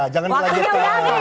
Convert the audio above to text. waktunya sudah habis